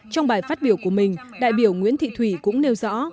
trong bài phát biểu của mình đại biểu nguyễn thị thủy cũng nêu rõ